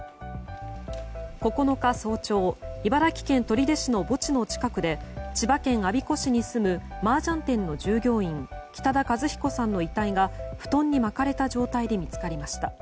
９日早朝茨城県取手市の墓地の近くで千葉県我孫子市に住むマージャン店の従業員北田和彦さんの遺体が布団に巻かれた状態で見つかりました。